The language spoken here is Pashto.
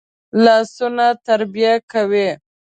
لاسونه تربیه کوي